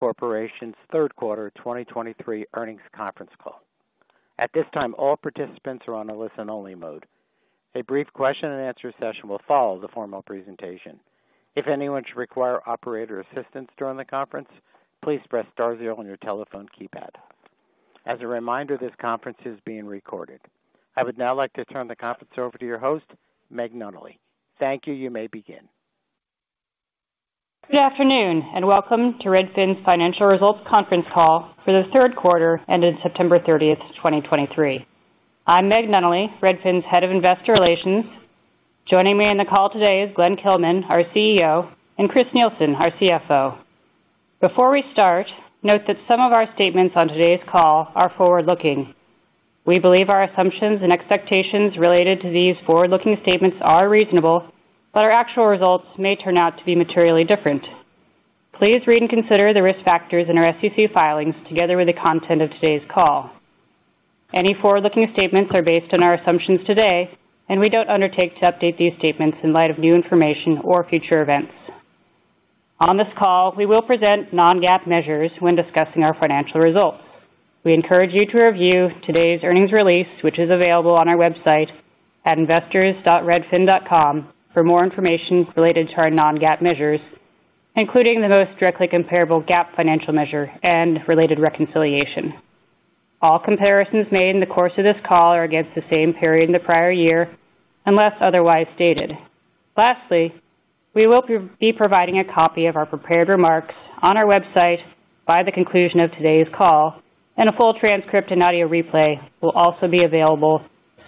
Redfin Corporation's third quarter 2023 earnings conference call. At this time, all participants are on a listen-only mode. A brief question and answer session will follow the formal presentation. If anyone should require operator assistance during the conference, please press star zero on your telephone keypad. As a reminder, this conference is being recorded. I would now like to turn the conference over to your host, Meg Nunnally. Thank you. You may begin. Good afternoon, and welcome to Redfin's Financial Results Conference Call for the third quarter, ending September 30, 2023. I'm Meg Nunnally, Redfin's Head of Investor Relations. Joining me on the call today is Glenn Kelman, our CEO, and Chris Nielsen, our CFO. Before we start, note that some of our statements on today's call are forward-looking. We believe our assumptions and expectations related to these forward-looking statements are reasonable, but our actual results may turn out to be materially different. Please read and consider the risk factors in our SEC filings, together with the content of today's call. Any forward-looking statements are based on our assumptions today, and we don't undertake to update these statements in light of new information or future events. On this call, we will present non-GAAP measures when discussing our financial results. We encourage you to review today's earnings release, which is available on our website at investors.redfin.com, for more information related to our non-GAAP measures, including the most directly comparable GAAP financial measure and related reconciliation. All comparisons made in the course of this call are against the same period in the prior year, unless otherwise stated. Lastly, we will be providing a copy of our prepared remarks on our website by the conclusion of today's call, and a full transcript and audio replay will also be available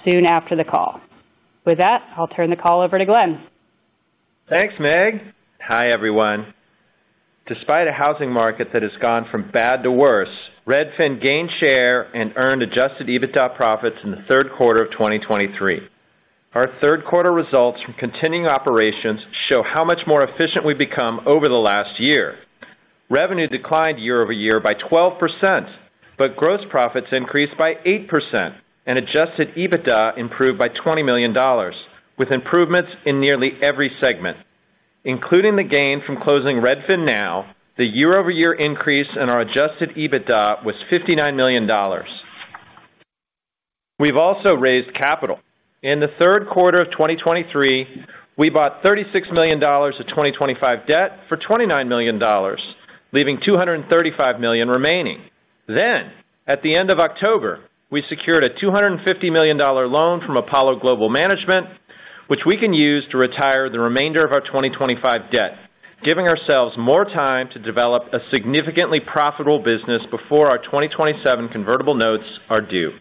soon after the call. With that, I'll turn the call over to Glenn. Thanks, Meg. Hi, everyone. Despite a housing market that has gone from bad to worse, Redfin gained share and earned Adjusted EBITDA profits in the third quarter of 2023. Our third quarter results from continuing operations show how much more efficient we've become over the last year. Revenue declined year-over-year by 12%, but gross profits increased by 8%, and Adjusted EBITDA improved by $20 million, with improvements in nearly every segment. Including the gain from closing RedfinNow, the year-over-year increase in our Adjusted EBITDA was $59 million. We've also raised capital. In the third quarter of 2023, we bought $36 million of 2025 debt for $29 million, leaving $235 million remaining. Then, at the end of October, we secured a $250 million loan from Apollo Global Management, which we can use to retire the remainder of our 2025 debt, giving ourselves more time to develop a significantly profitable business before our 2027 convertible notes are due.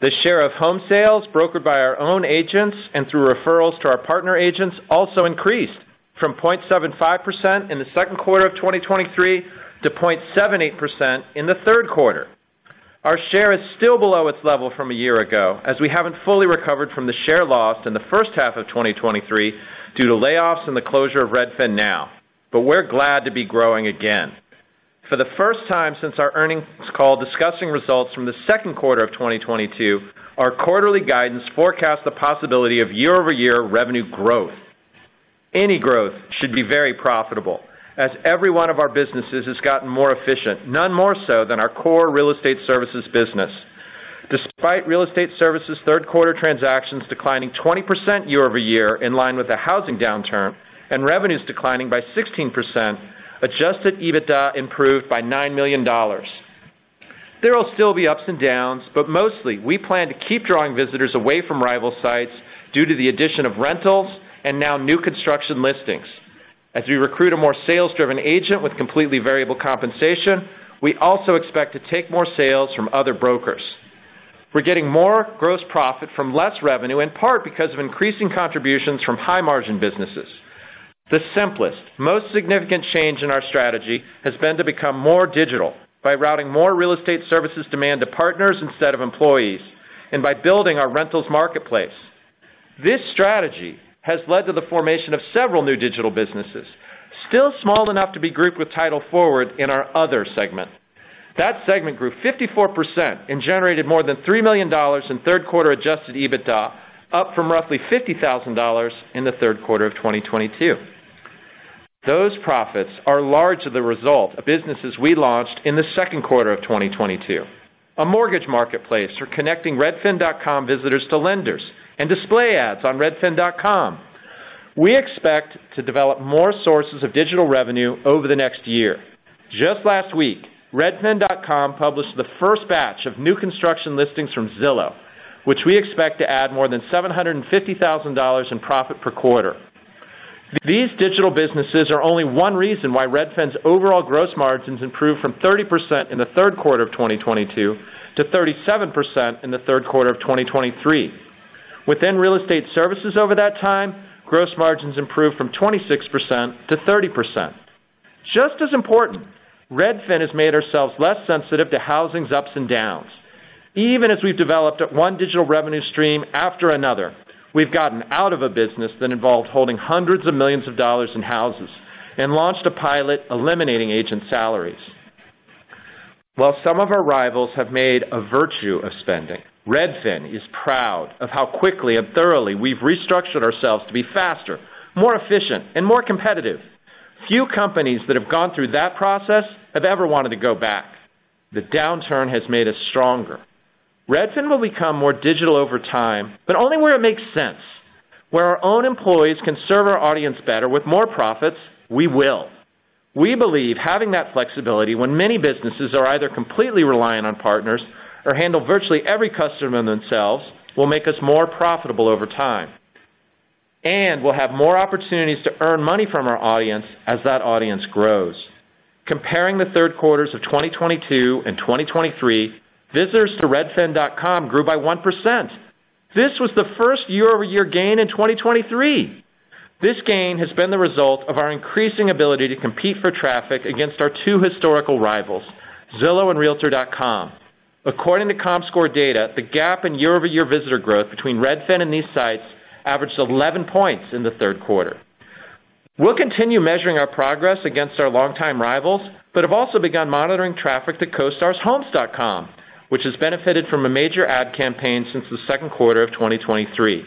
The share of home sales brokered by our own agents and through referrals to our partner agents also increased from 0.75% in the second quarter of 2023 to 0.78% in the third quarter. Our share is still below its level from a year ago, as we haven't fully recovered from the share loss in the first half of 2023 due to layoffs and the closure of RedfinNow, but we're glad to be growing again. For the first time since our earnings call discussing results from the second quarter of 2022, our quarterly guidance forecast the possibility of year-over-year revenue growth. Any growth should be very profitable, as every one of our businesses has gotten more efficient, none more so than our core real estate services business. Despite real estate services' third quarter transactions declining 20% year-over-year, in line with the housing downturn, and revenues declining by 16%, Adjusted EBITDA improved by $9 million. There will still be ups and downs, but mostly we plan to keep drawing visitors away from rival sites due to the addition of rentals and now new construction listings. As we recruit a more sales-driven agent with completely variable compensation, we also expect to take more sales from other brokers. We're getting more gross profit from less revenue, in part because of increasing contributions from high-margin businesses. The simplest, most significant change in our strategy has been to become more digital by routing more real estate services demand to partners instead of employees and by building our rentals marketplace. This strategy has led to the formation of several new digital businesses, still small enough to be grouped with Title Forward in our Other segment. That segment grew 54% and generated more than $3 million in third quarter Adjusted EBITDA, up from roughly $50,000 in the third quarter of 2022. Those profits are largely the result of businesses we launched in the second quarter of 2022, a mortgage marketplace for connecting redfin.com visitors to lenders and display ads on redfin.com. We expect to develop more sources of digital revenue over the next year. Just last week, redfin.com published the first batch of new construction listings from Zillow, which we expect to add more than $750,000 in profit per quarter. These digital businesses are only one reason why Redfin's overall gross margins improved from 30% in the third quarter of 2022 to 37% in the third quarter of 2023. Within real estate services over that time, gross margins improved from 26% to 30%. Just as important, Redfin has made ourselves less sensitive to housing's ups and downs. Even as we've developed one digital revenue stream after another, we've gotten out of a business that involved holding hundreds of millions of dollars in houses and launched a pilot eliminating agent salaries. While some of our rivals have made a virtue of spending, Redfin is proud of how quickly and thoroughly we've restructured ourselves to be faster, more efficient, and more competitive. Few companies that have gone through that process have ever wanted to go back. The downturn has made us stronger. Redfin will become more digital over time, but only where it makes sense. Where our own employees can serve our audience better with more profits, we will. We believe having that flexibility when many businesses are either completely reliant on partners or handle virtually every customer themselves, will make us more profitable over time, and we'll have more opportunities to earn money from our audience as that audience grows. Comparing the third quarters of 2022 and 2023, visitors to redfin.com grew by 1%. This was the first year-over-year gain in 2023. This gain has been the result of our increasing ability to compete for traffic against our two historical rivals, Zillow and Realtor.com. According to Comscore data, the gap in year-over-year visitor growth between Redfin and these sites averaged 11 points in the third quarter. We'll continue measuring our progress against our longtime rivals, but have also begun monitoring traffic to Homes.com, which has benefited from a major ad campaign since the second quarter of 2023.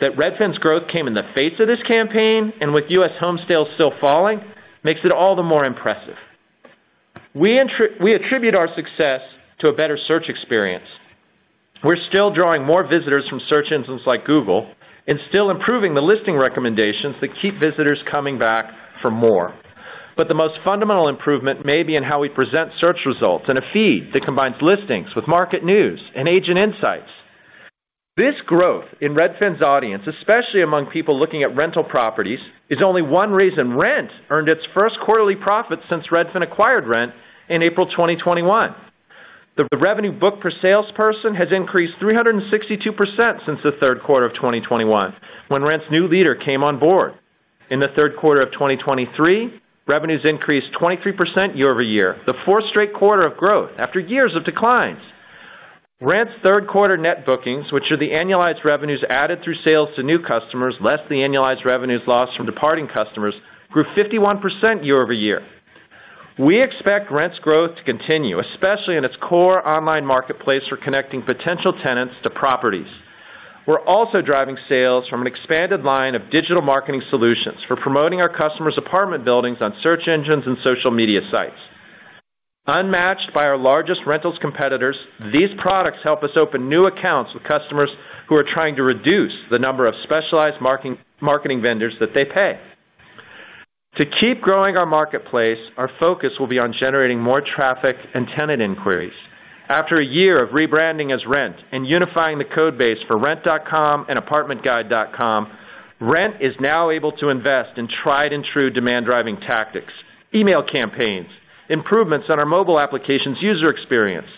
That Redfin's growth came in the face of this campaign and with U.S. home sales still falling, makes it all the more impressive. We attribute our success to a better search experience. We're still drawing more visitors from search engines like Google and still improving the listing recommendations that keep visitors coming back for more. But the most fundamental improvement may be in how we present search results in a feed that combines listings with market news and agent insights. This growth in Redfin's audience, especially among people looking at rental properties, is only one reason Rent earned its first quarterly profit since Redfin acquired Rent in April 2021. The revenue book per salesperson has increased 362% since the third quarter of 2021, when Rent's new leader came on board. In the third quarter of 2023, revenues increased 23% year-over-year, the fourth straight quarter of growth after years of declines. Rent's third quarter net bookings, which are the annualized revenues added through sales to new customers, less the annualized revenues lost from departing customers, grew 51% year-over-year. We expect Rent's growth to continue, especially in its core online marketplace, for connecting potential tenants to properties. We're also driving sales from an expanded line of digital marketing solutions for promoting our customers' apartment buildings on search engines and social media sites. Unmatched by our largest rentals competitors, these products help us open new accounts with customers who are trying to reduce the number of specialized marketing vendors that they pay. To keep growing our marketplace, our focus will be on generating more traffic and tenant inquiries. After a year of rebranding as Rent and unifying the code base for Rent.com and ApartmentGuide.com, Rent is now able to invest in tried-and-true demand-driving tactics, email campaigns, improvements on our mobile applications' user experience,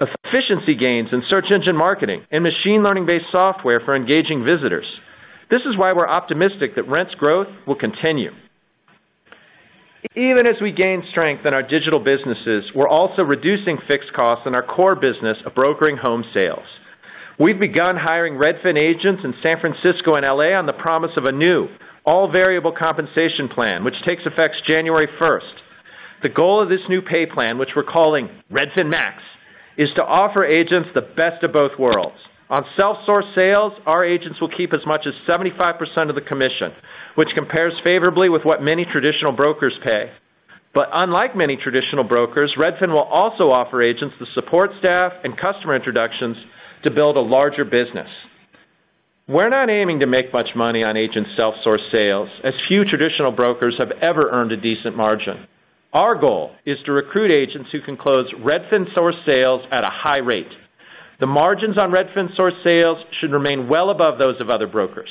efficiency gains in search engine marketing, and machine learning-based software for engaging visitors. This is why we're optimistic that Rent's growth will continue. Even as we gain strength in our digital businesses, we're also reducing fixed costs in our core business of brokering home sales. We've begun hiring Redfin agents in San Francisco and LA on the promise of a new, all-variable compensation plan, which takes effect January first. The goal of this new pay plan, which we're calling Redfin Max, is to offer agents the best of both worlds. On self-sourced sales, our agents will keep as much as 75% of the commission, which compares favorably with what many traditional brokers pay. But unlike many traditional brokers, Redfin will also offer agents the support staff and customer introductions to build a larger business. We're not aiming to make much money on agent self-sourced sales, as few traditional brokers have ever earned a decent margin. Our goal is to recruit agents who can close Redfin-sourced sales at a high rate. The margins on Redfin-sourced sales should remain well above those of other brokers.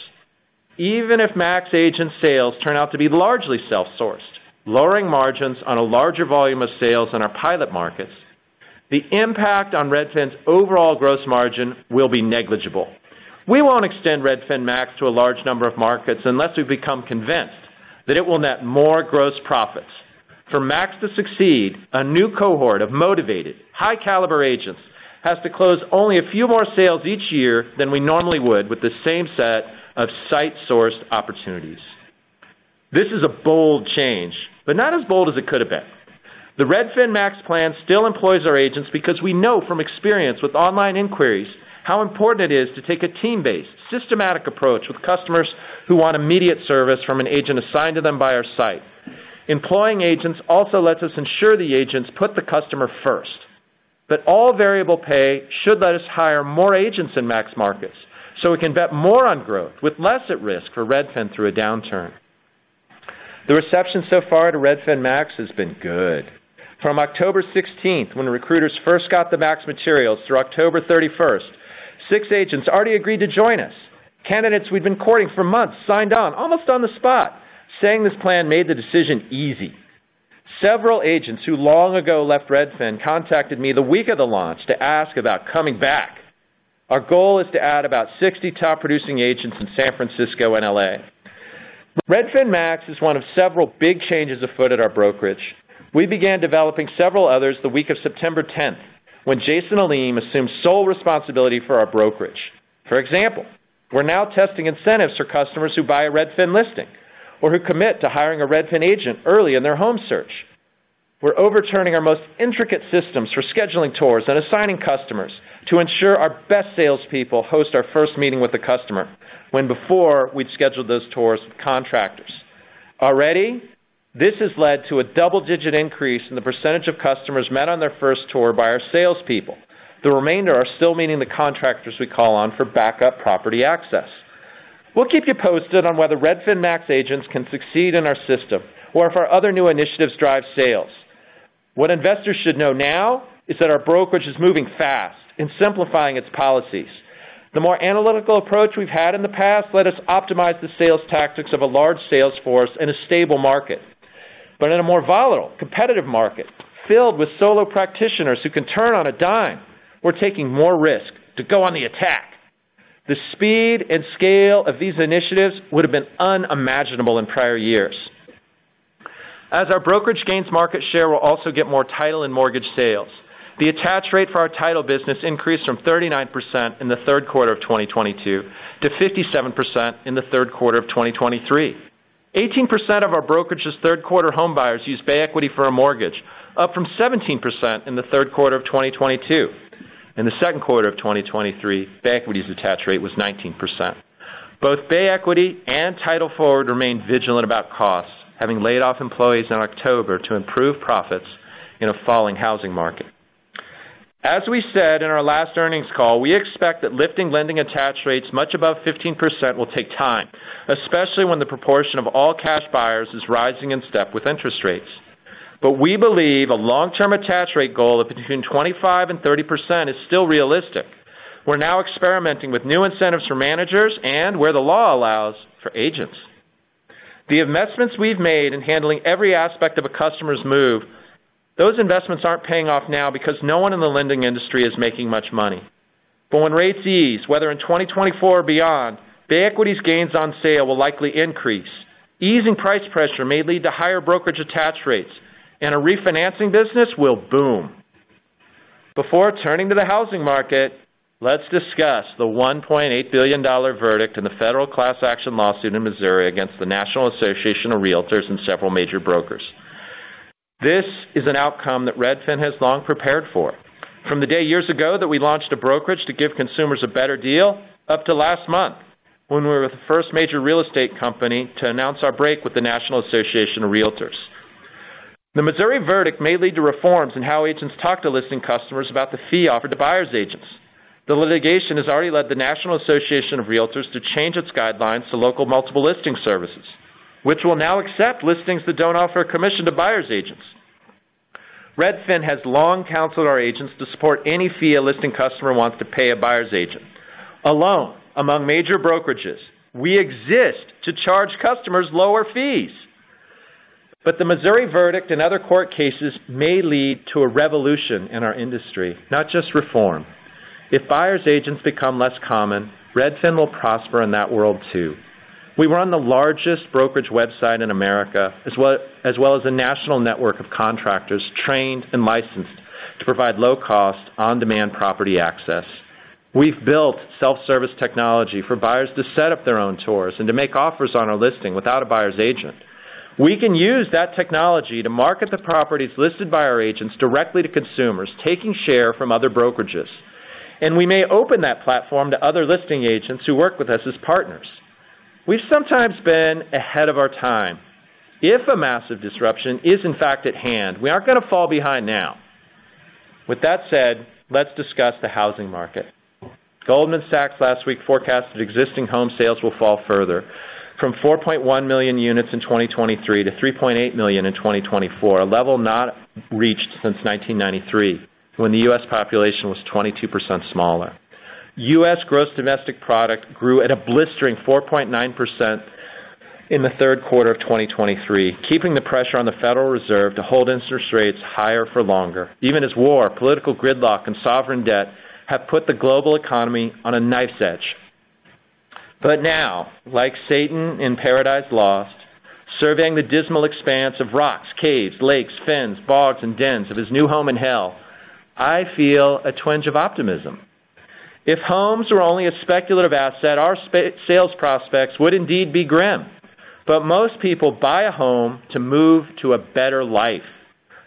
Even if Max agent sales turn out to be largely self-sourced, lowering margins on a larger volume of sales in our pilot markets, the impact on Redfin's overall gross margin will be negligible. We won't extend Redfin Max to a large number of markets unless we've become convinced that it will net more gross profits. For Max to succeed, a new cohort of motivated, high-caliber agents has to close only a few more sales each year than we normally would with the same set of site-sourced opportunities. This is a bold change, but not as bold as it could have been. The Redfin Max plan still employs our agents because we know from experience with online inquiries, how important it is to take a team-based, systematic approach with customers who want immediate service from an agent assigned to them by our site. Employing agents also lets us ensure the agents put the customer first, but all variable pay should let us hire more agents in Max markets, so we can bet more on growth with less at risk for Redfin through a downturn. The reception so far to Redfin Max has been good. From October 16, when recruiters first got the Max materials, through October 31, six agents already agreed to join us. Candidates we've been courting for months signed on, almost on the spot, saying this plan made the decision easy. Several agents who long ago left Redfin contacted me the week of the launch to ask about coming back. Our goal is to add about 60 top-producing agents in San Francisco and LA. Redfin Max is one of several big changes afoot at our brokerage. We began developing several others the week of September tenth, when Jason Aleem assumed sole responsibility for our brokerage. For example, we're now testing incentives for customers who buy a Redfin listing, or who commit to hiring a Redfin agent early in their home search. We're overturning our most intricate systems for scheduling tours and assigning customers to ensure our best salespeople host our first meeting with the customer, when before, we'd schedule those tours with contractors. Already, this has led to a double-digit increase in the percentage of customers met on their first tour by our salespeople. The remainder are still meeting the contractors we call on for backup property access. We'll keep you posted on whether Redfin Max agents can succeed in our system, or if our other new initiatives drive sales. What investors should know now is that our brokerage is moving fast in simplifying its policies. The more analytical approach we've had in the past let us optimize the sales tactics of a large sales force in a stable market. But in a more volatile, competitive market, filled with solo practitioners who can turn on a dime, we're taking more risk to go on the attack. The speed and scale of these initiatives would have been unimaginable in prior years. As our brokerage gains market share, we'll also get more title and mortgage sales. The attach rate for our title business increased from 39% in the third quarter of 2022 to 57% in the third quarter of 2023. 18% of our brokerage's third quarter home buyers used Bay Equity for a mortgage, up from 17% in the third quarter of 2022. In the second quarter of 2023, Bay Equity's attach rate was 19%. Both Bay Equity and Title Forward remain vigilant about costs, having laid off employees in October to improve profits in a falling housing market. As we said in our last earnings call, we expect that lifting lending attach rates much above 15% will take time, especially when the proportion of all-cash buyers is rising in step with interest rates. But we believe a long-term attach rate goal of between 25% and 30% is still realistic. We're now experimenting with new incentives for managers and, where the law allows, for agents. The investments we've made in handling every aspect of a customer's move, those investments aren't paying off now because no one in the lending industry is making much money. But when rates ease, whether in 2024 or beyond, Bay Equity's gains on sale will likely increase. Easing price pressure may lead to higher brokerage attach rates, and a refinancing business will boom. Before turning to the housing market, let's discuss the $1.8 billion verdict in the federal class action lawsuit in Missouri against the National Association of Realtors and several major brokers. This is an outcome that Redfin has long prepared for, from the day years ago that we launched a brokerage to give consumers a better deal, up to last month, when we were the first major real estate company to announce our break with the National Association of Realtors. The Missouri verdict may lead to reforms in how agents talk to listing customers about the fee offered to buyers' agents. The litigation has already led the National Association of Realtors to change its guidelines to local multiple listing services, which will now accept listings that don't offer a commission to buyers' agents. Redfin has long counseled our agents to support any fee a listing customer wants to pay a buyer's agent. Alone, among major brokerages, we exist to charge customers lower fees. But the Missouri verdict and other court cases may lead to a revolution in our industry, not just reform. If buyer's agents become less common, Redfin will prosper in that world, too. We run the largest brokerage website in America, as well, as well as a national network of contractors trained and licensed to provide low-cost, on-demand property access. We've built self-service technology for buyers to set up their own tours and to make offers on our listing without a buyer's agent. We can use that technology to market the properties listed by our agents directly to consumers, taking share from other brokerages, and we may open that platform to other listing agents who work with us as partners. We've sometimes been ahead of our time. If a massive disruption is, in fact, at hand, we aren't going to fall behind now. With that said, let's discuss the housing market. Goldman Sachs last week forecasted existing home sales will fall further, from 4.1 million units in 2023 to 3.8 million in 2024, a level not reached since 1993, when the U.S. population was 22% smaller. U.S. gross domestic product grew at a blistering 4.9% in the third quarter of 2023, keeping the pressure on the Federal Reserve to hold interest rates higher for longer, even as war, political gridlock, and sovereign debt have put the global economy on a knife's edge. But now, like Satan in Paradise Lost, surveying the dismal expanse of rocks, caves, lakes, fens, bogs, and dens of his new home in hell, I feel a twinge of optimism. If homes were only a speculative asset, our sales prospects would indeed be grim. But most people buy a home to move to a better life.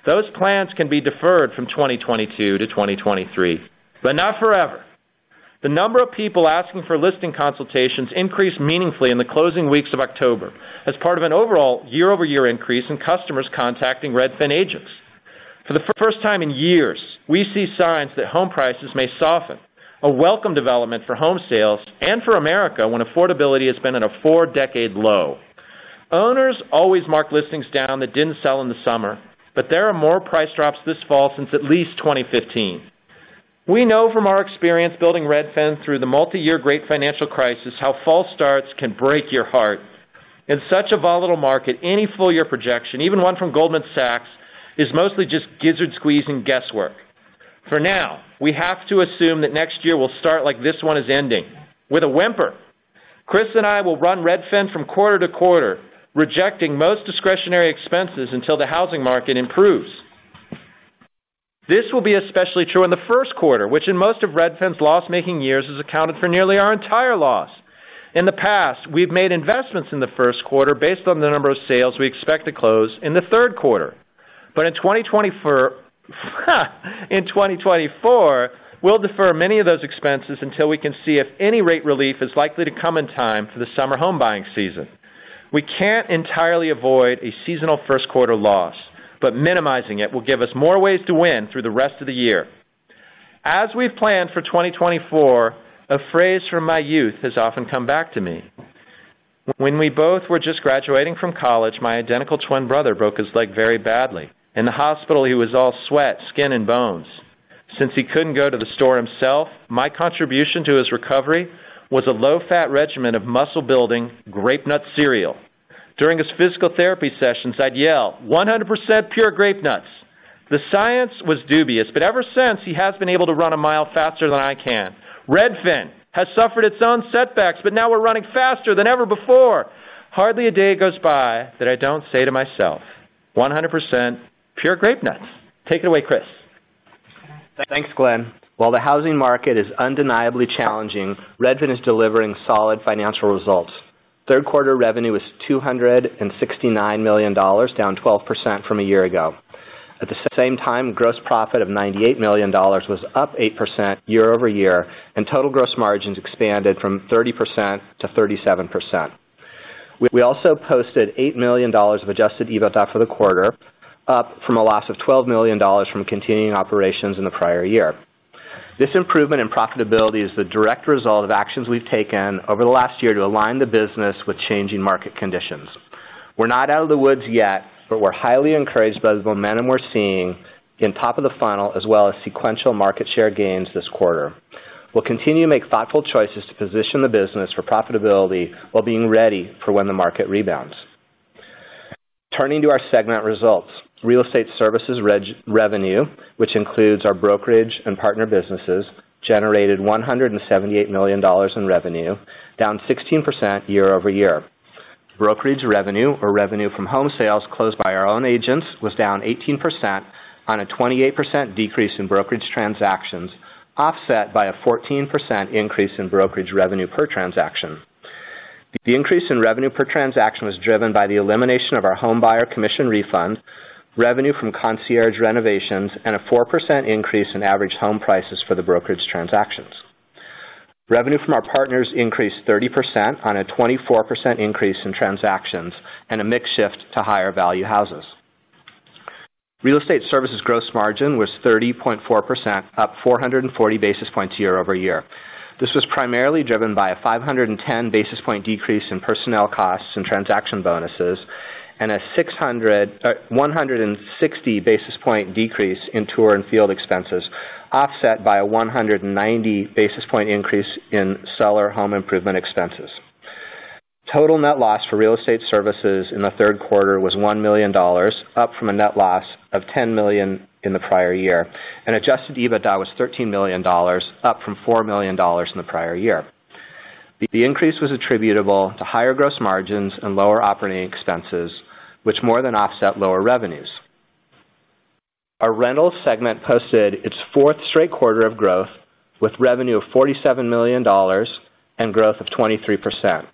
Those plans can be deferred from 2022 to 2023, but not forever. The number of people asking for listing consultations increased meaningfully in the closing weeks of October as part of an overall year-over-year increase in customers contacting Redfin agents. For the first time in years, we see signs that home prices may soften, a welcome development for home sales and for America, when affordability has been at a four-decade low. Owners always mark listings down that didn't sell in the summer, but there are more price drops this fall since at least 2015. We know from our experience building Redfin through the multi-year great financial crisis, how false starts can break your heart. In such a volatile market, any full year projection, even one from Goldman Sachs, is mostly just gizzard-squeezing guesswork. For now, we have to assume that next year will start like this one is ending, with a whimper. Chris and I will run Redfin from quarter to quarter, rejecting most discretionary expenses until the housing market improves. This will be especially true in the first quarter, which in most of Redfin's loss-making years, has accounted for nearly our entire loss. In the past, we've made investments in the first quarter based on the number of sales we expect to close in the third quarter. But in 2024, in 2024, we'll defer many of those expenses until we can see if any rate relief is likely to come in time for the summer home buying season. We can't entirely avoid a seasonal first quarter loss, but minimizing it will give us more ways to win through the rest of the year. As we've planned for 2024, a phrase from my youth has often come back to me. When we both were just graduating from college, my identical twin brother broke his leg very badly. In the hospital, he was all sweat, skin, and bones. Since he couldn't go to the store himself, my contribution to his recovery was a low-fat regimen of muscle-building Grape-Nuts cereal. During his physical therapy sessions, I'd yell, "100% pure Grape-Nuts!" The science was dubious, but ever since, he has been able to run a mile faster than I can. Redfin has suffered its own setbacks, but now we're running faster than ever before. Hardly a day goes by that I don't say to myself, "100% pure Grape-Nuts." Take it away, Chris. Thanks, Glenn. While the housing market is undeniably challenging, Redfin is delivering solid financial results. Third quarter revenue was $269 million, down 12% from a year ago. At the same time, gross profit of $98 million was up 8% year-over-year, and total gross margins expanded from 30% to 37%. We also posted $8 million of Adjusted EBITDA for the quarter, up from a loss of $12 million from continuing operations in the prior year. This improvement in profitability is the direct result of actions we've taken over the last year to align the business with changing market conditions. We're not out of the woods yet, but we're highly encouraged by the momentum we're seeing in top of the funnel, as well as sequential market share gains this quarter. We'll continue to make thoughtful choices to position the business for profitability while being ready for when the market rebounds. Turning to our segment results. Real Estate Services revenue, which includes our brokerage and partner businesses, generated $178 million in revenue, down 16% year-over-year. Brokerage revenue, or revenue from home sales closed by our own agents, was down 18% on a 28% decrease in brokerage transactions, offset by a 14% increase in brokerage revenue per transaction. The increase in revenue per transaction was driven by the elimination of our home buyer commission refund, revenue from concierge renovations, and a 4% increase in average home prices for the brokerage transactions. Revenue from our partners increased 30% on a 24% increase in transactions and a mix shift to higher value houses. Real Estate Services gross margin was 30.4%, up 440 basis points year-over-year. This was primarily driven by a 510 basis points decrease in personnel costs and transaction bonuses, and a one hundred and sixty basis points decrease in tour and field expenses, offset by a 190 basis points increase in seller home improvement expenses. Total net loss for Real Estate Services in the third quarter was $1 million, up from a net loss of $10 million in the prior year, and Adjusted EBITDA was $13 million, up from $4 million in the prior year. The increase was attributable to higher gross margins and lower operating expenses, which more than offset lower revenues. Our Rental segment posted its fourth straight quarter of growth, with revenue of $47 million and growth of 23%.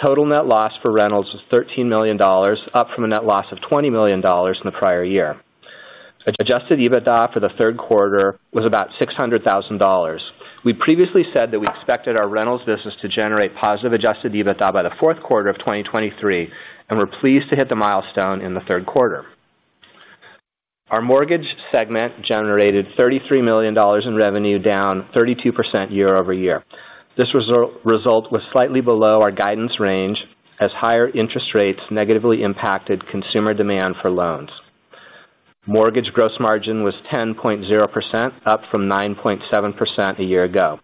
Total net loss for Rentals was $13 million, up from a net loss of $20 million in the prior year. Adjusted EBITDA for the third quarter was about $600,000. We previously said that we expected our Rentals business to generate positive Adjusted EBITDA by the fourth quarter of 2023, and we're pleased to hit the milestone in the third quarter. Our Mortgage segment generated $33 million in revenue, down 32% year-over-year. This result was slightly below our guidance range, as higher interest rates negatively impacted consumer demand for loans. Mortgage gross margin was 10.0%, up from 9.7% a year ago.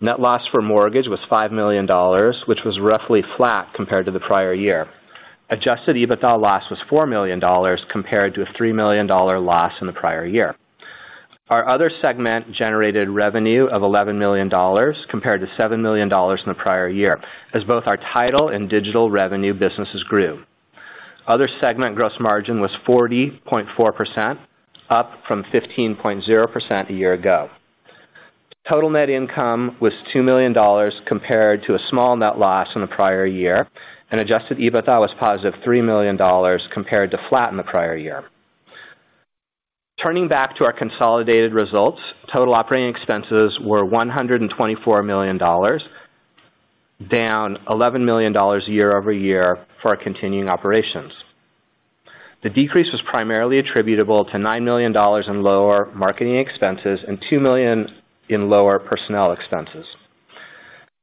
Net loss for Mortgage was $5 million, which was roughly flat compared to the prior year. Adjusted EBITDA loss was $4 million, compared to a $3 million loss in the prior year. Our Other segment generated revenue of $11 million, compared to $7 million in the prior year, as both our title and digital revenue businesses grew. Other segment gross margin was 40.4%, up from 15.0% a year ago. Total net income was $2 million, compared to a small net loss in the prior year, and Adjusted EBITDA was positive $3 million, compared to flat in the prior year. Turning back to our consolidated results, total operating expenses were $124 million, down $11 million year-over-year for our continuing operations. The decrease was primarily attributable to $9 million in lower marketing expenses and $2 million in lower personnel expenses.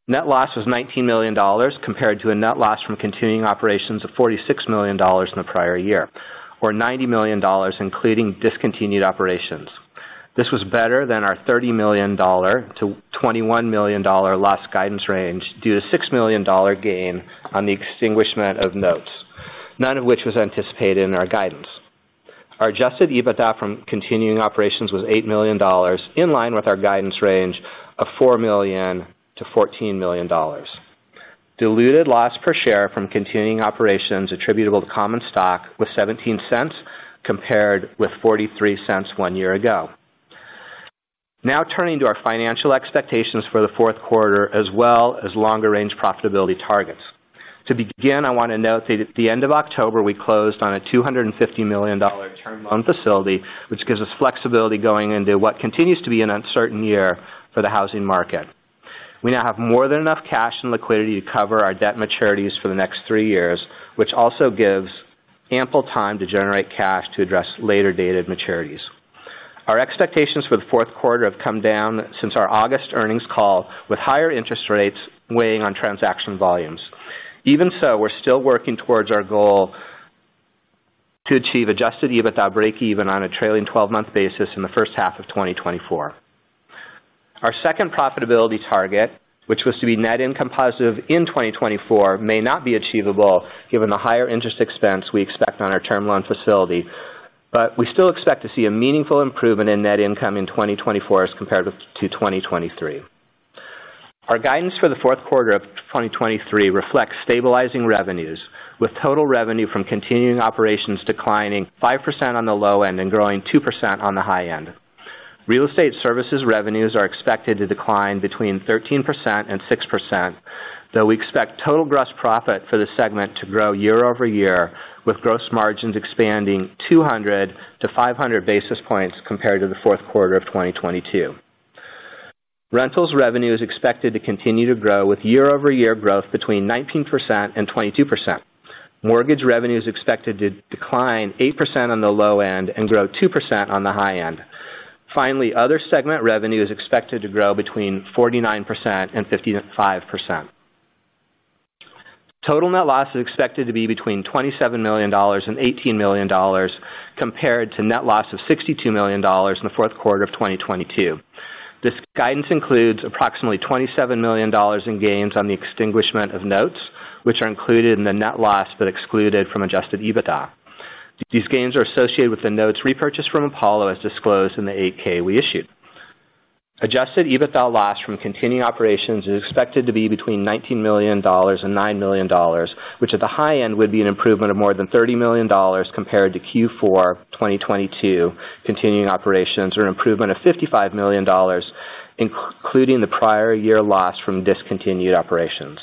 Net loss was $19 million, compared to a net loss from continuing operations of $46 million in the prior year, or $90 million, including discontinued operations. This was better than our $30 million-$21 million loss guidance range, due to $6 million gain on the extinguishment of notes, none of which was anticipated in our guidance. Our Adjusted EBITDA from continuing operations was $8 million, in line with our guidance range of $4 million-$14 million. Diluted loss per share from continuing operations attributable to common stock was $0.17, compared with $0.43 one year ago. Now turning to our financial expectations for the fourth quarter as well as longer range profitability targets. To begin, I want to note that at the end of October, we closed on a $250 million term loan facility, which gives us flexibility going into what continues to be an uncertain year for the housing market. We now have more than enough cash and liquidity to cover our debt maturities for the next three years, which also gives ample time to generate cash to address later dated maturities. Our expectations for the fourth quarter have come down since our August earnings call, with higher interest rates weighing on transaction volumes. Even so, we're still working towards our goal to achieve Adjusted EBITDA breakeven on a trailing 12-month basis in the first half of 2024. Our second profitability target, which was to be net income positive in 2024, may not be achievable given the higher interest expense we expect on our term loan facility, but we still expect to see a meaningful improvement in net income in 2024 as compared to twenty twenty-three. Our guidance for the fourth quarter of 2023 reflects stabilizing revenues, with total revenue from continuing operations declining 5% on the low end and growing 2% on the high end. Real estate services revenues are expected to decline between 13% and 6%, though we expect total gross profit for the segment to grow year-over-year, with gross margins expanding 200-500 basis points compared to the fourth quarter of 2022. Rentals revenue is expected to continue to grow, with year-over-year growth between 19% and 22%. Mortgage revenue is expected to decline 8% on the low end and grow 2% on the high end. Finally, Other segment revenue is expected to grow between 49% and 55%. Total net loss is expected to be between $27 million and $18 million, compared to net loss of $62 million in the fourth quarter of 2022. This guidance includes approximately $27 million in gains on the extinguishment of notes, which are included in the net loss but excluded from Adjusted EBITDA. These gains are associated with the notes repurchased from Apollo, as disclosed in the 8-K we issued. Adjusted EBITDA loss from continuing operations is expected to be between $19 million and $9 million, which, at the high end, would be an improvement of more than $30 million compared to Q4 2022 continuing operations, or an improvement of $55 million, including the prior year loss from discontinued operations.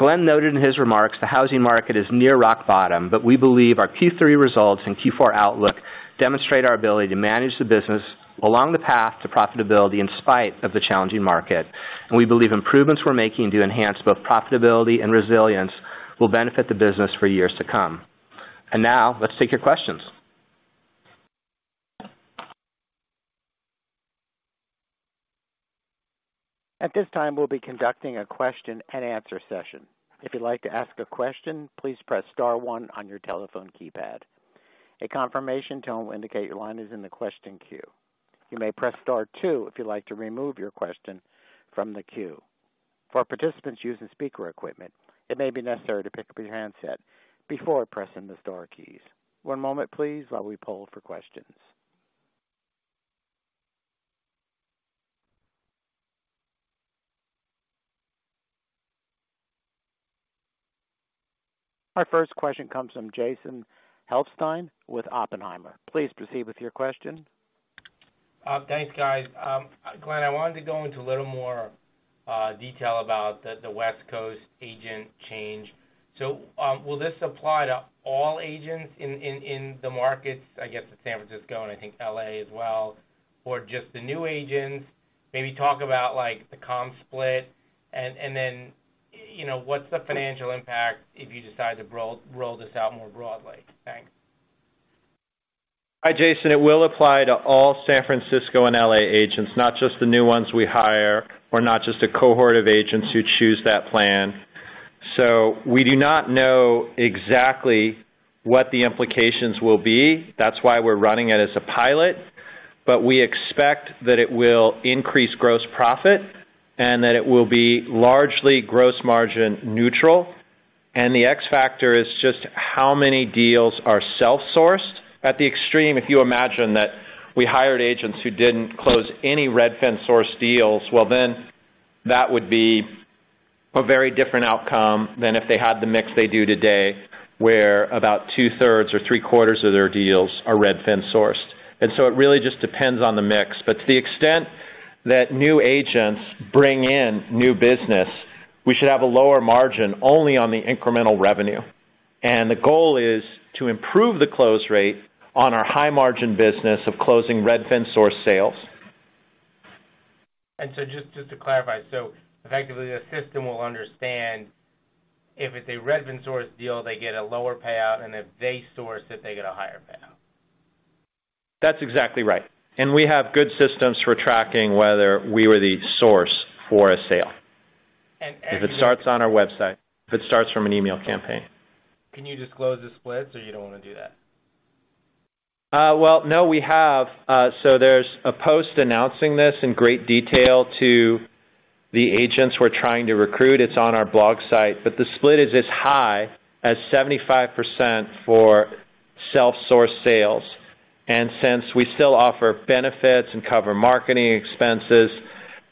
Glenn noted in his remarks, the housing market is near rock bottom, but we believe our Q3 results and Q4 outlook demonstrate our ability to manage the business along the path to profitability in spite of the challenging market. We believe improvements we're making to enhance both profitability and resilience will benefit the business for years to come. And now, let's take your questions. At this time, we'll be conducting a question and answer session. If you'd like to ask a question, please press star one on your telephone keypad. A confirmation tone will indicate your line is in the question queue. You may press star two if you'd like to remove your question from the queue. For participants using speaker equipment, it may be necessary to pick up your handset before pressing the star keys. One moment please, while we poll for questions. Our first question comes from Jason Helfstein with Oppenheimer. Please proceed with your question. Thanks, guys. Glenn, I wanted to go into a little more detail about the West Coast agent change. So, will this apply to all agents in the markets, I guess, to San Francisco and I think L.A. as well, or just the new agents? Maybe talk about, like, the comp split and then, you know, what's the financial impact if you decide to roll this out more broadly? Thanks. Hi, Jason. It will apply to all San Francisco and LA agents, not just the new ones we hire or not just a cohort of agents who choose that plan. So we do not know exactly what the implications will be. That's why we're running it as a pilot. But we expect that it will increase gross profit and that it will be largely gross margin neutral. And the X factor is just how many deals are self-sourced. At the extreme, if you imagine that we hired agents who didn't close any Redfin-sourced deals, well, then that would be a very different outcome than if they had the mix they do today, where about two-thirds or three-quarters of their deals are Redfin-sourced. And so it really just depends on the mix. To the extent that new agents bring in new business, we should have a lower margin only on the incremental revenue. The goal is to improve the close rate on our high margin business of closing Redfin source sales. Just, just to clarify, so effectively, the system will understand if it's a Redfin sourced deal, they get a lower payout, and if they source it, they get a higher payout? That's exactly right. And we have good systems for tracking whether we were the source for a sale. And, and- If it starts on our website, if it starts from an email campaign. Can you disclose the splits or you don't want to do that? Well, no, we have. So there's a post announcing this in great detail to the agents we're trying to recruit. It's on our blog site. But the split is as high as 75% for-self-sourced sales. And since we still offer benefits and cover marketing expenses,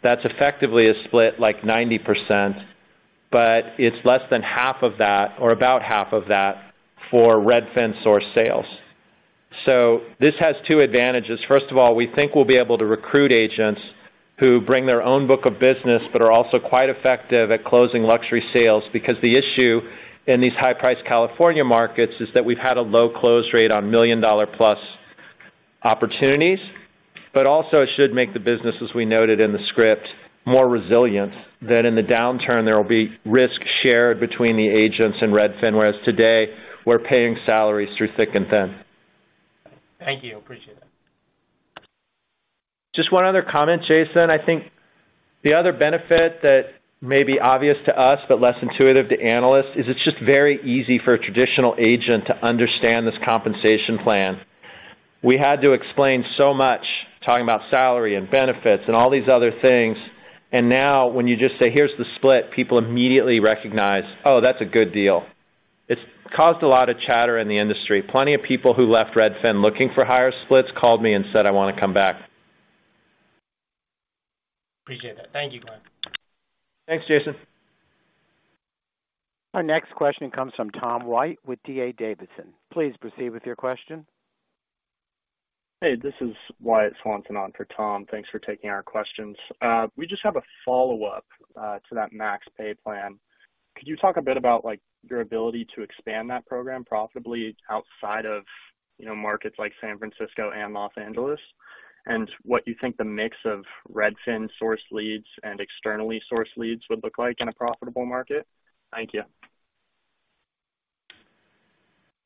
that's effectively a split, like 90%, but it's less than half of that or about half of that for Redfin-sourced sales. So this has two advantages. First of all, we think we'll be able to recruit agents who bring their own book of business, but are also quite effective at closing luxury sales, because the issue in these high-priced California markets is that we've had a low close rate on $1 million-plus opportunities. But also, it should make the business, as we noted in the script, more resilient than in the downturn. There will be risk shared between the agents and Redfin, whereas today, we're paying salaries through thick and thin. Thank you. Appreciate it. Just one other comment, Jason. I think the other benefit that may be obvious to us, but less intuitive to analysts, is it's just very easy for a traditional agent to understand this compensation plan. We had to explain so much, talking about salary and benefits and all these other things, and now, when you just say, "Here's the split," people immediately recognize, Oh, that's a good deal. It's caused a lot of chatter in the industry. Plenty of people who left Redfin looking for higher splits called me and said, "I want to come back. Appreciate that. Thank you, Glenn. Thanks, Jason. Our next question comes from Tom White with D.A. Davidson. Please proceed with your question. Hey, this is Wyatt Swanson on for Tom. Thanks for taking our questions. We just have a follow-up to that Max pay plan. Could you talk a bit about, like, your ability to expand that program profitably outside of, you know, markets like San Francisco and Los Angeles? And what you think the mix of Redfin-sourced leads and externally sourced leads would look like in a profitable market? Thank you.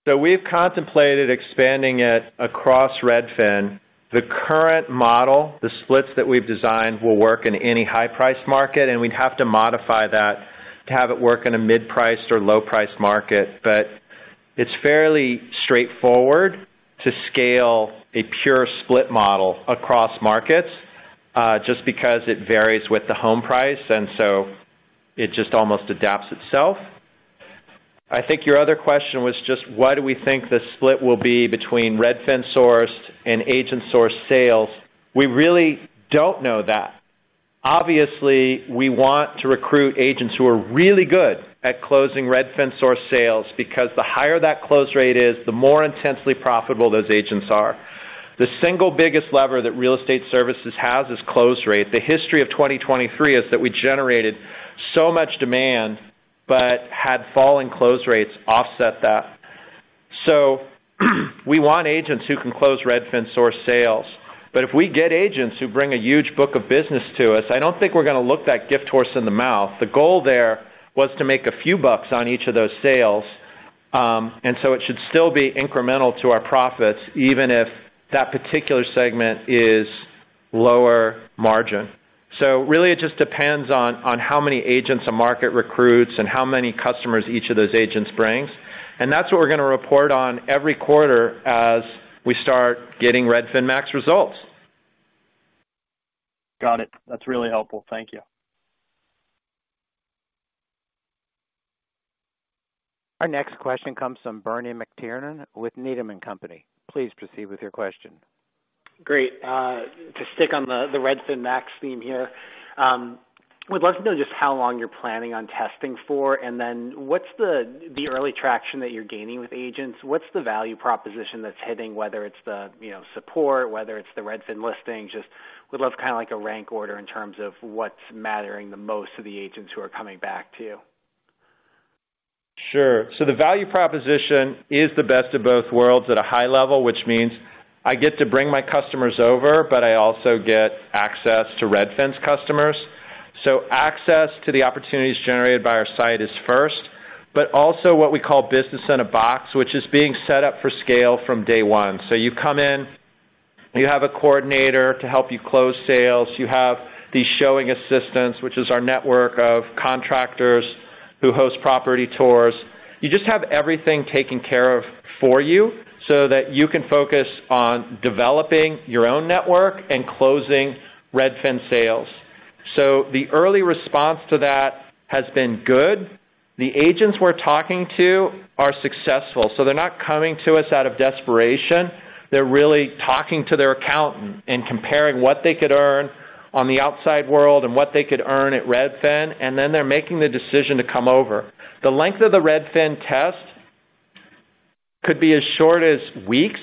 So we've contemplated expanding it across Redfin. The current model, the splits that we've designed, will work in any high-priced market, and we'd have to modify that to have it work in a mid-priced or low-priced market. But it's fairly straightforward to scale a pure split model across markets, just because it varies with the home price, and so it just almost adapts itself. I think your other question was just, what do we think the split will be between Redfin-sourced and agent-sourced sales? We really don't know that. Obviously, we want to recruit agents who are really good at closing Redfin-sourced sales, because the higher that close rate is, the more intensely profitable those agents are. The single biggest lever that real estate services has is close rate. The history of 2023 is that we generated so much demand, but had fallen close rates offset that. So, we want agents who can close Redfin-sourced sales. But if we get agents who bring a huge book of business to us, I don't think we're going to look that gift horse in the mouth. The goal there was to make a few bucks on each of those sales, and so it should still be incremental to our profits, even if that particular segment is lower margin. So really, it just depends on how many agents a market recruits and how many customers each of those agents brings. And that's what we're going to report on every quarter as we start getting Redfin Max results. Got it. That's really helpful. Thank you. Our next question comes from Bernie McTiernan with Needham & Company. Please proceed with your question. Great. To stick on the Redfin Max theme here, would love to know just how long you're planning on testing for, and then what's the early traction that you're gaining with agents? What's the value proposition that's hitting, whether it's the you know support, whether it's the Redfin listing? Just would love kind of like a rank order in terms of what's mattering the most to the agents who are coming back to you. Sure. So the value proposition is the best of both worlds at a high level, which means I get to bring my customers over, but I also get access to Redfin's customers. So access to the opportunities generated by our site is first, but also what we call business in a box, which is being set up for scale from day one. So you come in, you have a coordinator to help you close sales. You have these showing assistants, which is our network of contractors who host property tours. You just have everything taken care of for you so that you can focus on developing your own network and closing Redfin sales. So the early response to that has been good. The agents we're talking to are successful, so they're not coming to us out of desperation. They're really talking to their accountant and comparing what they could earn on the outside world and what they could earn at Redfin, and then they're making the decision to come over. The length of the Redfin test could be as short as weeks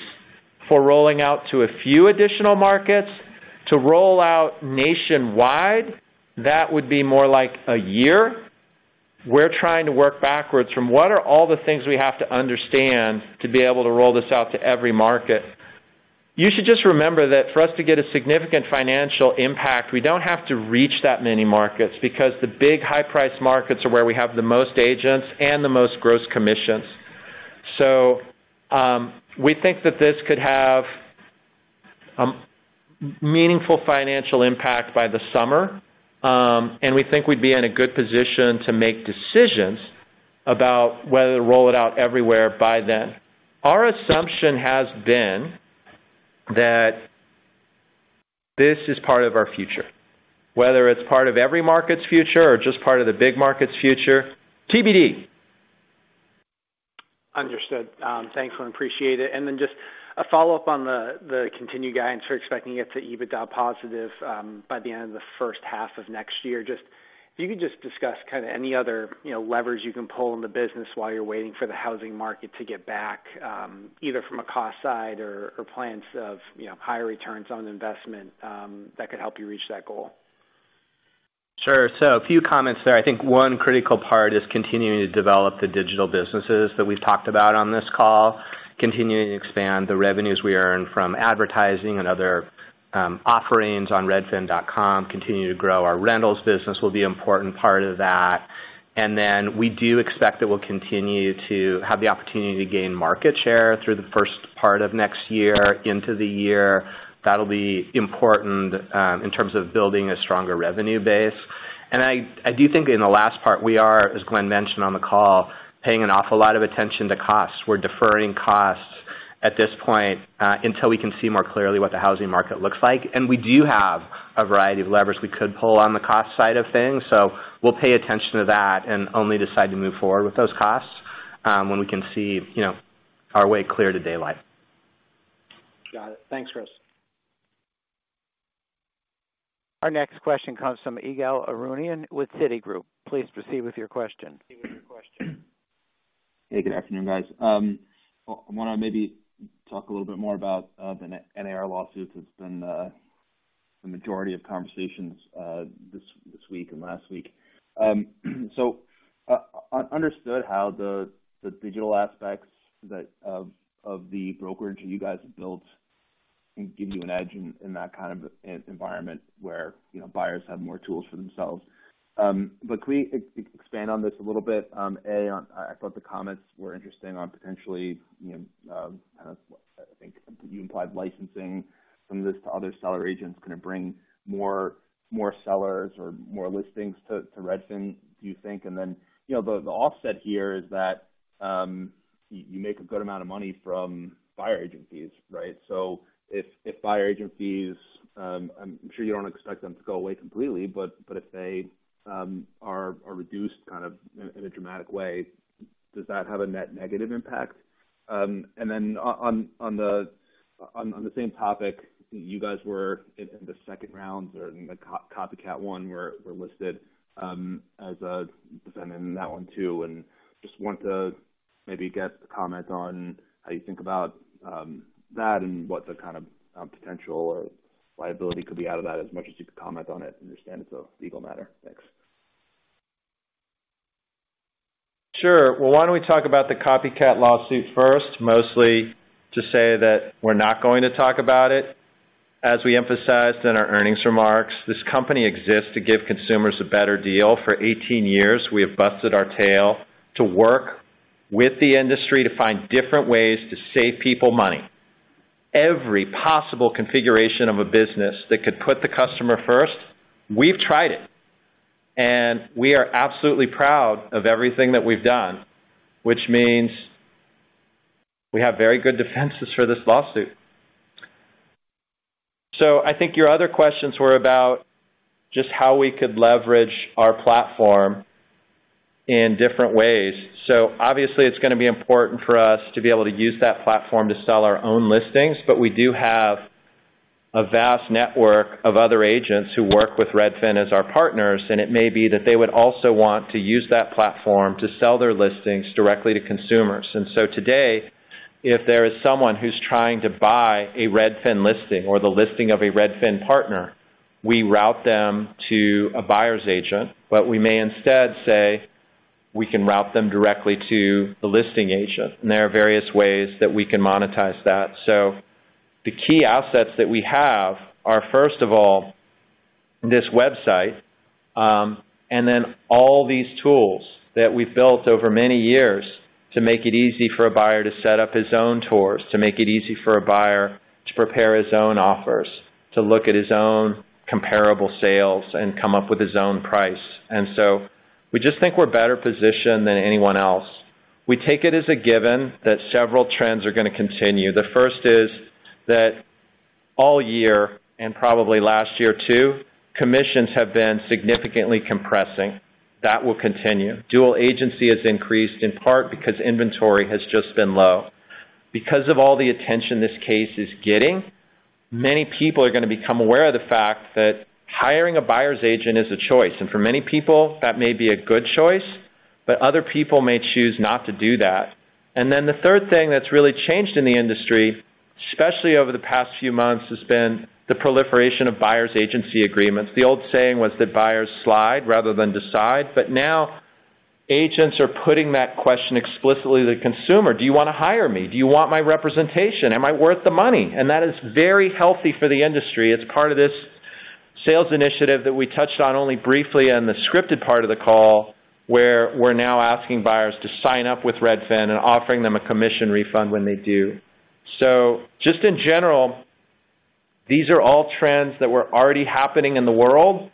for rolling out to a few additional markets. To roll out nationwide, that would be more like a year. We're trying to work backwards from what are all the things we have to understand to be able to roll this out to every market. You should just remember that for us to get a significant financial impact, we don't have to reach that many markets, because the big high-priced markets are where we have the most agents and the most gross commissions. So, we think that this could have meaningful financial impact by the summer, and we think we'd be in a good position to make decisions about whether to roll it out everywhere by then. Our assumption has been that this is part of our future, whether it's part of every market's future or just part of the big market's future, TBD. Understood. Thanks, we appreciate it. And then just a follow-up on the continued guidance for expecting it to EBITDA positive by the end of the first half of next year. Just, if you could just discuss kind of any other, you know, levers you can pull in the business while you're waiting for the housing market to get back, either from a cost side or plans of, you know, higher returns on investment, that could help you reach that goal. Sure. So a few comments there. I think one critical part is continuing to develop the digital businesses that we've talked about on this call, continuing to expand the revenues we earn from advertising and other offerings on redfin.com, continue to grow our Rentals business will be an important part of that. And then we do expect that we'll continue to have the opportunity to gain market share through the first part of next year into the year. That'll be important in terms of building a stronger revenue base. And I do think in the last part, we are, as Glenn mentioned on the call, paying an awful lot of attention to costs. We're deferring costs at this point until we can see more clearly what the housing market looks like. We do have a variety of levers we could pull on the cost side of things, so we'll pay attention to that and only decide to move forward with those costs when we can see, you know, our way clear to daylight. Got it. Thanks, Chris. Our next question comes from Ygal Arounian with Citigroup. Please proceed with your question. Hey, good afternoon, guys. I want to maybe talk a little bit more about the NAR lawsuits. It's been the majority of conversations this week and last week. So understood how the digital aspects of the brokerage you guys have built give you an edge in that kind of environment where, you know, buyers have more tools for themselves. But could we expand on this a little bit? I thought the comments were interesting on potentially, you know, kind of, I think you implied licensing some of this to other seller agents, kind of bring more sellers or more listings to Redfin, do you think? And then, you know, the offset here is that you make a good amount of money from buyer agent fees, right? So if buyer agent fees, I'm sure you don't expect them to go away completely, but if they are reduced kind of in a dramatic way, does that have a net negative impact? And then on the same topic, you guys were in the second round or in the copycat one, were listed as a defendant in that one, too. And just want to maybe get the comment on how you think about that and what the kind of potential or liability could be out of that, as much as you could comment on it. I understand it's a legal matter. Thanks. Sure. Well, why don't we talk about the copycat lawsuit first, mostly to say that we're not going to talk about it. As we emphasized in our earnings remarks, this company exists to give consumers a better deal. For 18 years, we have busted our tail to work with the industry to find different ways to save people money. Every possible configuration of a business that could put the customer first, we've tried it, and we are absolutely proud of everything that we've done, which means we have very good defenses for this lawsuit. So I think your other questions were about just how we could leverage our platform in different ways. Obviously, it's going to be important for us to be able to use that platform to sell our own listings, but we do have a vast network of other agents who work with Redfin as our partners, and it may be that they would also want to use that platform to sell their listings directly to consumers. Today, if there is someone who's trying to buy a Redfin listing or the listing of a Redfin partner, we route them to a buyer's agent, but we may instead say, we can route them directly to the listing agent, and there are various ways that we can monetize that. So the key assets that we have are, first of all, this website, and then all these tools that we've built over many years to make it easy for a buyer to set up his own tours, to make it easy for a buyer to prepare his own offers, to look at his own comparable sales and come up with his own price. And so we just think we're better positioned than anyone else. We take it as a given that several trends are going to continue. The first is that all year, and probably last year, too, commissions have been significantly compressing. That will continue. Dual agency has increased, in part because inventory has just been low. Because of all the attention this case is getting, many people are going to become aware of the fact that hiring a buyer's agent is a choice. For many people, that may be a good choice, but other people may choose not to do that. Then the third thing that's really changed in the industry, especially over the past few months, has been the proliferation of buyer's agency agreements. The old saying was that, "Buyers slide rather than decide." But now, agents are putting that question explicitly to the consumer: Do you want to hire me? Do you want my representation? Am I worth the money? And that is very healthy for the industry. It's part of this sales initiative that we touched on only briefly on the scripted part of the call, where we're now asking buyers to sign up with Redfin and offering them a commission refund when they do. So just in general, these are all trends that were already happening in the world.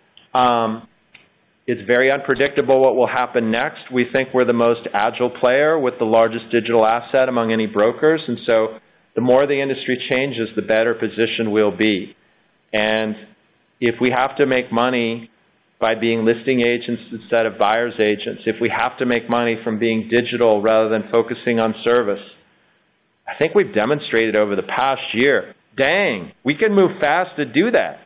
It's very unpredictable what will happen next. We think we're the most agile player with the largest digital asset among any brokers, and so the more the industry changes, the better positioned we'll be. And if we have to make money by being listing agents instead of buyers' agents, if we have to make money from being digital rather than focusing on service, I think we've demonstrated over the past year, dang, we can move fast to do that!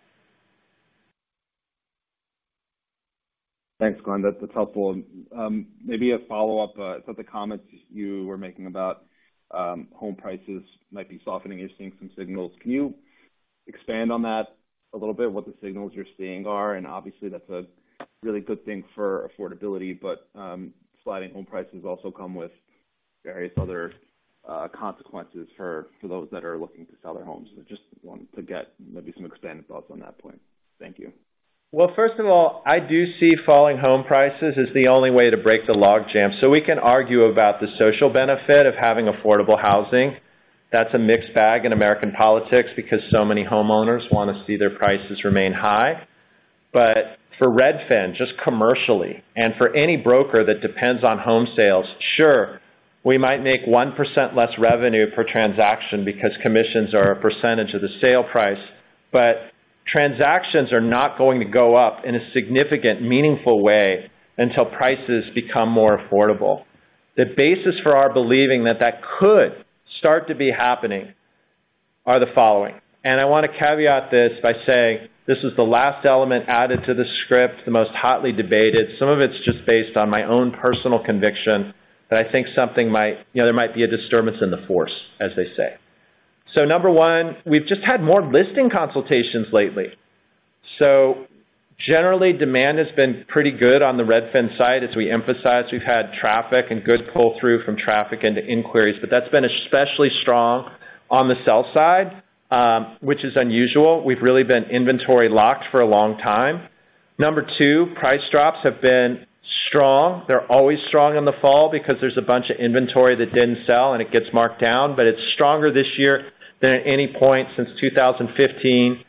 Thanks, Glenn. That's helpful. Maybe a follow-up, so the comments you were making about home prices might be softening, you're seeing some signals. Can you expand on that a little bit, what the signals you're seeing are? And obviously, that's a really good thing for affordability, but sliding home prices also come with various other consequences for those that are looking to sell their homes. So just wanted to get maybe some expanded thoughts on that point. Thank you. Well, first of all, I do see falling home prices as the only way to break the logjam. So we can argue about the social benefit of having affordable housing. That's a mixed bag in American politics because so many homeowners want to see their prices remain high. But for Redfin, just commercially, and for any broker that depends on home sales, sure, we might make 1% less revenue per transaction because commissions are a percentage of the sale price, but transactions are not going to go up in a significant, meaningful way until prices become more affordable. The basis for our believing that that could start to be happening are the following, and I want to caveat this by saying this is the last element added to the script, the most hotly debated. Some of it's just based on my own personal conviction that I think something might. You know, there might be a disturbance in the force, as they say. So number one, we've just had more listing consultations lately. So generally, demand has been pretty good on the Redfin side. As we emphasize, we've had traffic and good pull-through from traffic into inquiries, but that's been especially strong on the sell side, which is unusual. We've really been inventory locked for a long time. Number two, price drops have been strong. They're always strong in the fall because there's a bunch of inventory that didn't sell, and it gets marked down, but it's stronger this year than at any point since 2015.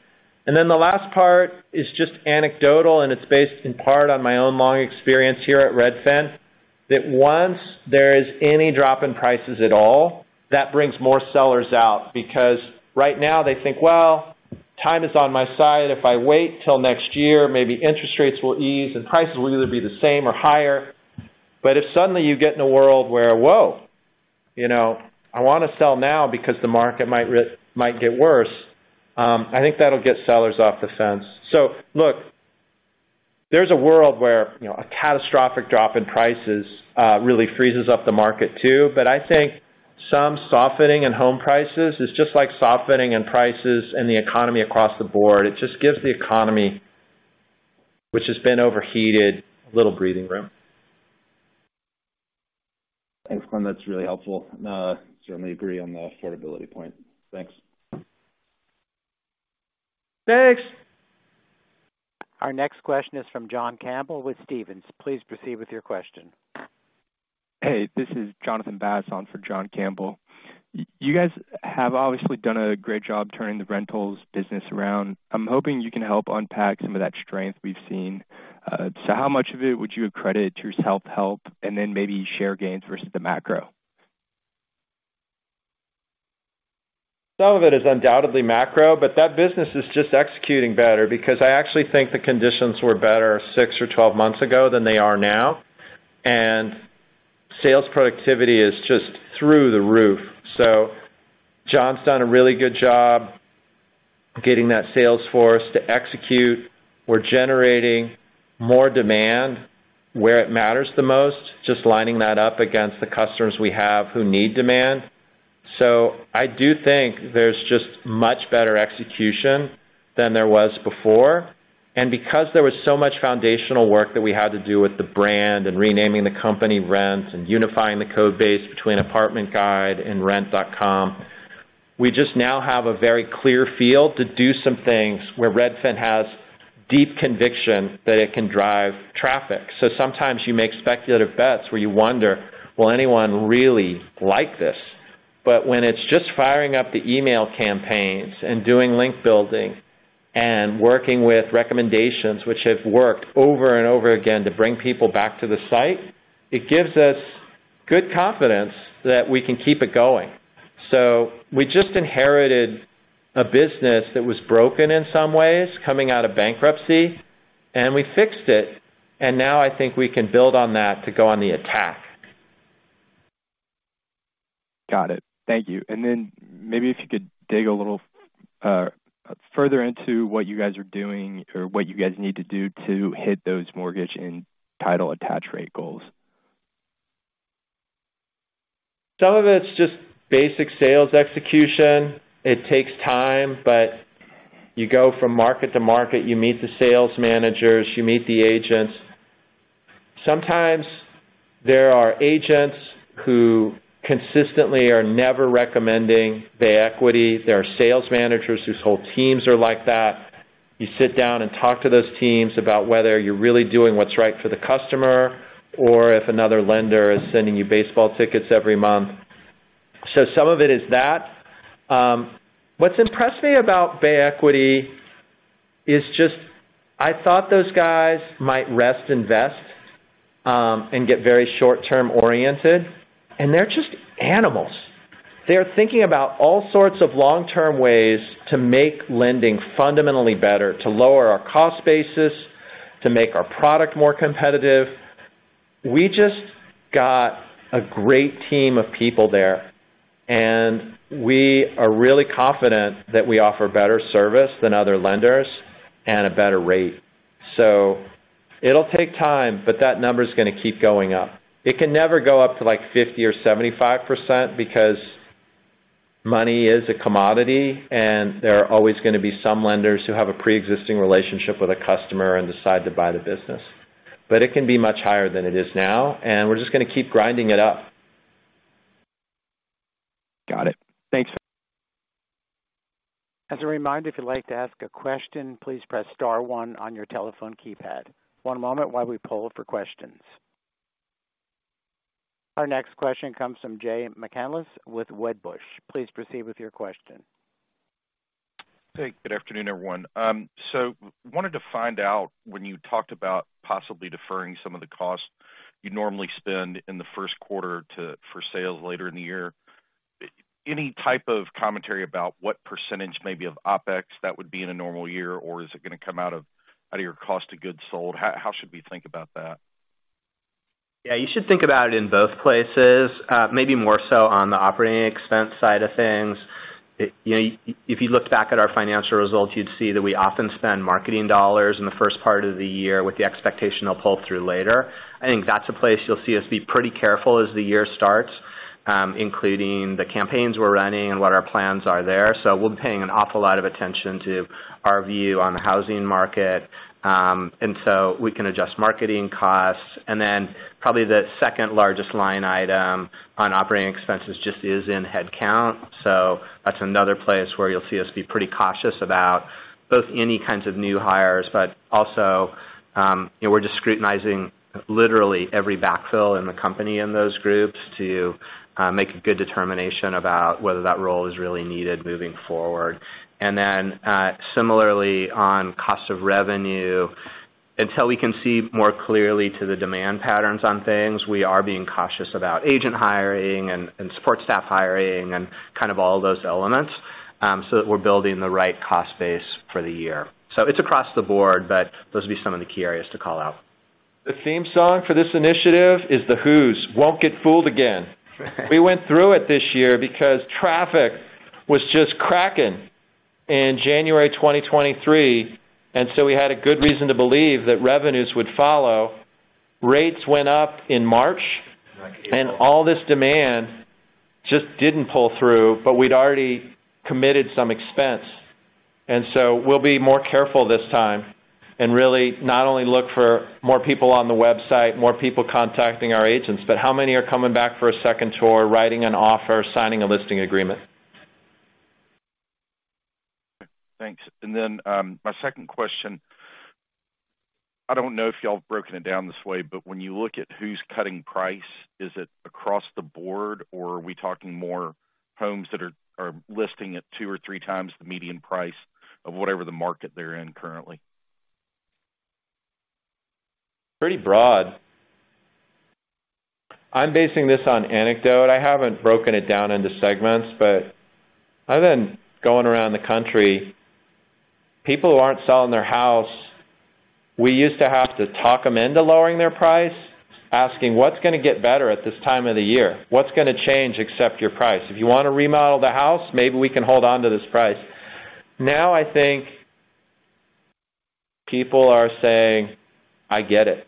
And then the last part is just anecdotal, and it's based in part on my own long experience here at Redfin, that once there is any drop in prices at all, that brings more sellers out, because right now they think, "Well, time is on my side. If I wait till next year, maybe interest rates will ease and prices will either be the same or higher." But if suddenly you get in a world where, whoa, you know, I want to sell now because the market might get worse, I think that'll get sellers off the fence. So look, there's a world where, you know, a catastrophic drop in prices really freezes up the market, too. But I think some softening in home prices is just like softening in prices and the economy across the board. It just gives the economy, which has been overheated, a little breathing room. Thanks, Glenn. That's really helpful. Certainly agree on the affordability point. Thanks. Thanks! Our next question is from John Campbell with Stephens. Please proceed with your question. Hey, this is Jonathan Bass on for John Campbell. You guys have obviously done a great job turning the rentals business around. I'm hoping you can help unpack some of that strength we've seen. So how much of it would you attribute to self-help, and then maybe share gains versus the macro? Some of it is undoubtedly macro, but that business is just executing better because I actually think the conditions were better six or 12 months ago than they are now, and sales productivity is just through the roof. So John's done a really good job getting that sales force to execute. We're generating more demand where it matters the most, just lining that up against the customers we have who need demand. So I do think there's just much better execution than there was before. And because there was so much foundational work that we had to do with the brand and renaming the company Rent, and unifying the code base between Apartment Guide and Rent.com, we just now have a very clear field to do some things where Redfin has deep conviction that it can drive traffic. So sometimes you make speculative bets where you wonder, will anyone really like this? But when it's just firing up the email campaigns and doing link building and working with recommendations which have worked over and over again to bring people back to the site, it gives us good confidence that we can keep it going. So we just inherited a business that was broken in some ways, coming out of bankruptcy, and we fixed it, and now I think we can build on that to go on the attack. Got it. Thank you. And then maybe if you could dig a little further into what you guys are doing or what you guys need to do to hit those mortgage and title attach rate goals. Some of it's just basic sales execution. It takes time, but you go from market to market, you meet the sales managers, you meet the agents. Sometimes there are agents who consistently are never recommending the equity. There are sales managers whose whole teams are like that. You sit down and talk to those teams about whether you're really doing what's right for the customer or if another lender is sending you baseball tickets every month. So some of it is that. What's impressed me about Bay Equity is just, I thought those guys might rest and invest, and get very short-term oriented, and they're just animals. They're thinking about all sorts of long-term ways to make lending fundamentally better, to lower our cost basis, to make our product more competitive. We just got a great team of people there, and we are really confident that we offer better service than other lenders and a better rate. So it'll take time, but that number's gonna keep going up. It can never go up to, like, 50% or 75%, because money is a commodity, and there are always gonna be some lenders who have a pre-existing relationship with a customer and decide to buy the business. But it can be much higher than it is now, and we're just gonna keep grinding it up. Got it. Thanks. As a reminder, if you'd like to ask a question, please press star one on your telephone keypad. One moment while we poll for questions. Our next question comes from Jay McCanless with Wedbush. Please proceed with your question. Hey, good afternoon, everyone. So wanted to find out, when you talked about possibly deferring some of the costs you'd normally spend in the first quarter to for sales later in the year, any type of commentary about what percentage maybe of OpEx that would be in a normal year, or is it gonna come out of your cost of goods sold? How should we think about that? Yeah, you should think about it in both places, maybe more so on the operating expense side of things. You know, if you look back at our financial results, you'd see that we often spend marketing dollars in the first part of the year with the expectation they'll pull through later. I think that's a place you'll see us be pretty careful as the year starts, including the campaigns we're running and what our plans are there. So we'll be paying an awful lot of attention to our view on the housing market, and so we can adjust marketing costs. And then probably the second largest line item on operating expenses just is in headcount. So that's another place where you'll see us be pretty cautious about both any kinds of new hires, but also, you know, we're just scrutinizing literally every backfill in the company in those groups to make a good determination about whether that role is really needed moving forward. And then, similarly, on cost of revenue, until we can see more clearly to the demand patterns on things, we are being cautious about agent hiring and support staff hiring and kind of all those elements, so that we're building the right cost base for the year. So it's across the board, but those would be some of the key areas to call out. The theme song for this initiative is The Who's Won't Get Fooled Again. We went through it this year because traffic was just cracking in January 2023, and so we had a good reason to believe that revenues would follow. Rates went up in March, and all this demand just didn't pull through, but we'd already committed some expense. And so we'll be more careful this time and really not only look for more people on the website, more people contacting our agents, but how many are coming back for a second tour, writing an offer, signing a listing agreement. Thanks. And then, my second question: I don't know if y'all have broken it down this way, but when you look at who's cutting price, is it across the board, or are we talking more homes that are listing at two or three times the median price of whatever the market they're in currently? Pretty broad. I'm basing this on anecdote. I haven't broken it down into segments, but other than going around the country, people who aren't selling their house, we used to have to talk them into lowering their price, asking: "What's gonna get better at this time of the year? What's gonna change except your price? If you wanna remodel the house, maybe we can hold on to this price." Now, I think people are saying, "I get it.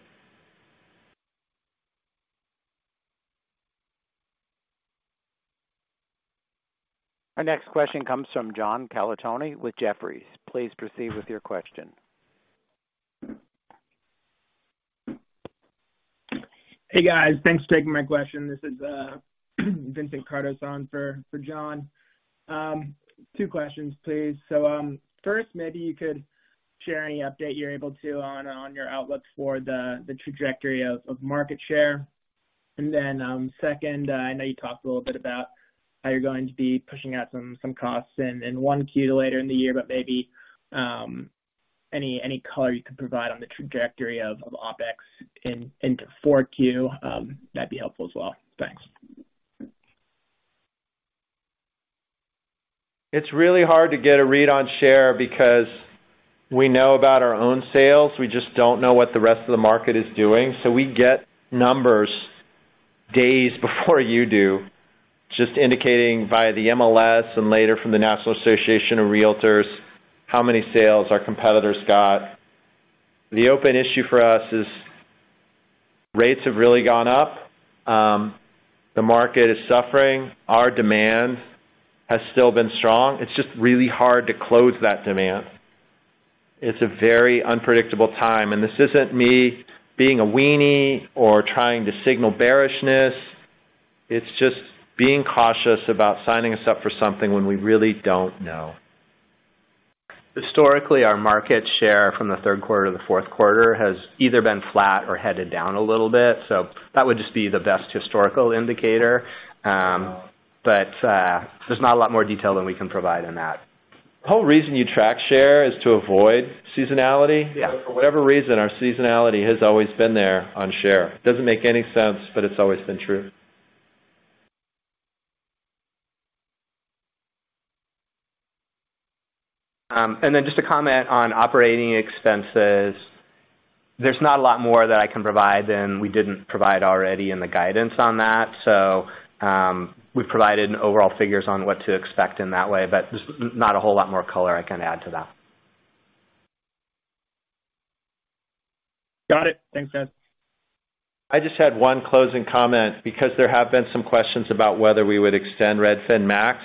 Our next question comes from John Colantuoni with Jefferies. Please proceed with your question. Hey, guys, thanks for taking my question. This is Vincent Cardozo in for John. Two questions, please. So, first, maybe you could share any update you're able to on your outlook for the trajectory of market share. And then, second, I know you talked a little bit about how you're going to be pushing out some costs in 1Q to later in the year, but maybe any color you could provide on the trajectory of OpEx into 4Q, that'd be helpful as well. Thanks. It's really hard to get a read on share because we know about our own sales. We just don't know what the rest of the market is doing. So we get numbers days before you do, just indicating via the MLS and later from the National Association of Realtors, how many sales our competitors got. The open issue for us is rates have really gone up. The market is suffering. Our demand has still been strong. It's just really hard to close that demand. It's a very unpredictable time, and this isn't me being a weenie or trying to signal bearishness. It's just being cautious about signing us up for something when we really don't know. Historically, our market share from the third quarter to the fourth quarter has either been flat or headed down a little bit, so that would just be the best historical indicator. But, there's not a lot more detail than we can provide on that. The whole reason you track share is to avoid seasonality. Yeah. For whatever reason, our seasonality has always been there on share. It doesn't make any sense, but it's always been true. And then just to comment on operating expenses, there's not a lot more that I can provide, and we didn't provide already in the guidance on that. We've provided overall figures on what to expect in that way, but just not a whole lot more color I can add to that. Got it. Thanks, guys. I just had one closing comment, because there have been some questions about whether we would extend Redfin Max.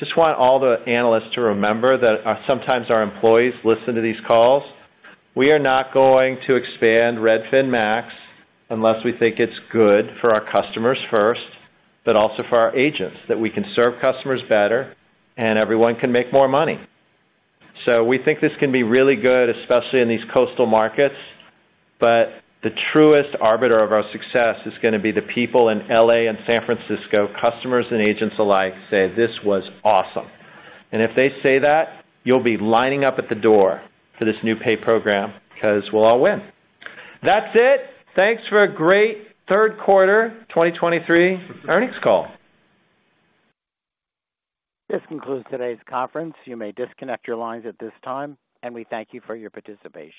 Just want all the analysts to remember that, sometimes our employees listen to these calls. We are not going to expand Redfin Max unless we think it's good for our customers first, but also for our agents, that we can serve customers better and everyone can make more money. So we think this can be really good, especially in these coastal markets, but the truest arbiter of our success is gonna be the people in L.A. and San Francisco, customers and agents alike, say, "This was awesome." And if they say that, you'll be lining up at the door for this new pay program, 'cause we'll all win. That's it. Thanks for a great third quarter 2023 earnings call. This concludes today's conference. You may disconnect your lines at this time, and we thank you for your participation.